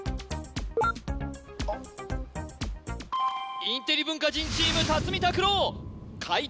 インテリ文化人チーム辰巳琢郎解答